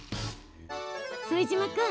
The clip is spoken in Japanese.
副島君